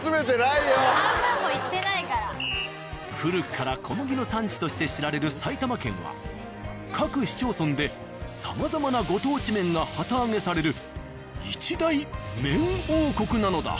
古くから小麦の産地として知られる埼玉県は各市町村でさまざまなご当地麺が旗揚げされる一大麺王国なのだ。